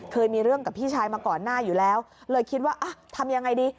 เคยมีเรื่องกับพี่ชายมาก่อนหน้าอยู่แล้วเลยคิดว่าอ่ะทำยังไงดี